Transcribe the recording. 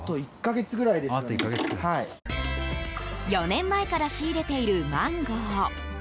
４年前から仕入れているマンゴー。